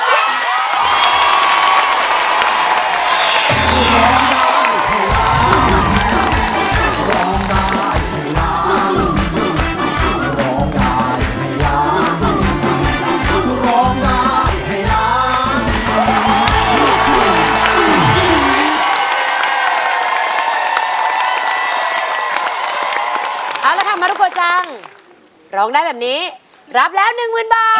เอาละค่ะมารุโกจังร้องได้แบบนี้รับแล้ว๑๐๐๐บาท